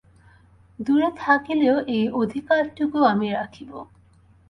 দূরে থাকিলেও এই অধিকারটুকু আমি রাখিব।